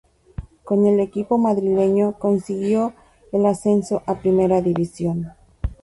Con el equipo madrileño consiguió el ascenso a Primera División.